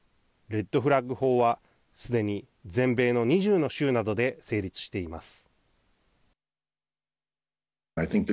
レッド・フラッグ法はすでに全米の２０の州などで成立しています。